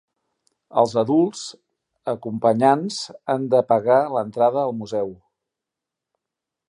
Els adults acompanyants han de pagar l'entrada al Museu.